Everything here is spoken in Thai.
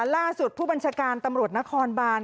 ล่าสุดผู้บัญชาการตำรวจนครบาน